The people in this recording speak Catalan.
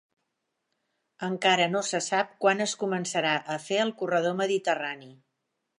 Encara no se sap quan es començarà a fer el corredor mediterrani